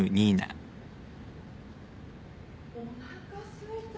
・おなかすいた。